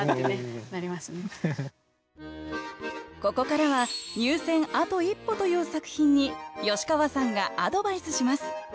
ここからは入選あと一歩という作品に吉川さんがアドバイスします。